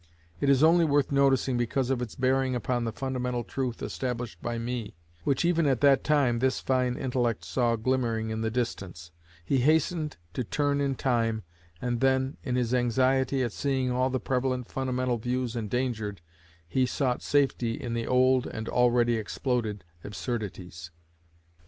It is only worth noticing because of its bearing upon the fundamental truth established by me, which even at that time this fine intellect saw glimmering in the distance. He hastened to turn in time, and then, in his anxiety at seeing all the prevalent fundamental views endangered, he sought safety in the old and already exploded absurdities.